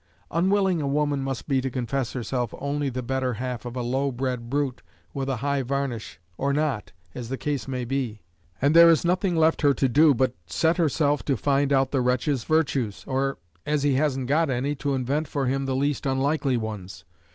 Unwilling a woman must be to confess herself only the better half of a low bred brute, with a high varnish or not, as the case may be; and there is nothing left her to do but set herself to find out the wretch's virtues, or, as he hasn't got any, to invent for him the least unlikely ones.